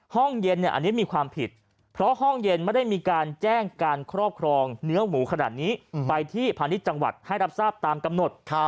ห้องเย็นอันนี้มีความผิดเพราะห้องเย็นไม่ได้มีการแจ้งการครอบครองเนื้อหมูขนาดนี้ไปที่พาณิชย์จังหวัดให้รับทราบตามกำหนด